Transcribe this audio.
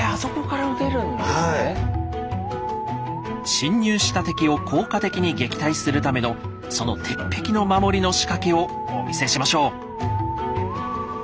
侵入した敵を効果的に撃退するためのその鉄壁の守りの仕掛けをお見せしましょう。